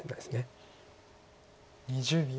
２０秒。